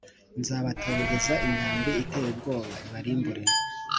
Nzabaterereza imyambi iteye ubwoba ibarimbure